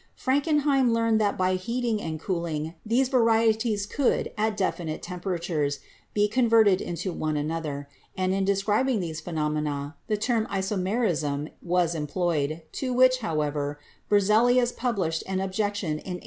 Frankenheim learned that by heating and cooling, these varieties could at definite temperatures be converted into one another, and in describing these phenomena the term isomerism was employed, to which, however, Berzelius published an objection in 1841.